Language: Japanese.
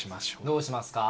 どうしますか？